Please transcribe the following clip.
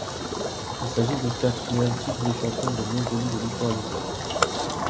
Il s'agit du quatrième titre de champion de Mongolie de l'histoire du club.